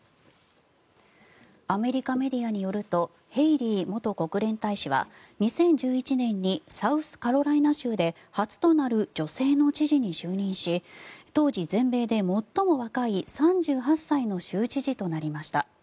アメリカメディアによるとヘイリー元国連大使は２０１１年にサウスカロライナ州で初となる女性の知事に就任し当時、全米で最も若い３８歳の州知事となりました。